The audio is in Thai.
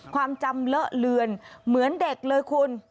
ความจำเลอะเลือนเหมือนเด็กเลยคุณ